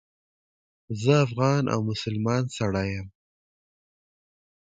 زه افغان او مسلمان سړی یم.